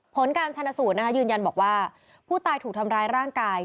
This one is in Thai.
ผลการชนสูตรนะคะยืนยันบอกว่าผู้ตายถูกทำร้ายร่างกาย